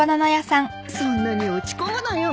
そんなに落ち込むなよ。